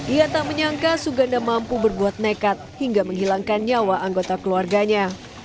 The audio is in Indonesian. ia tak menyangka suganda mampu berbuat nekat hingga menghilangkan nyawa anggota keluarganya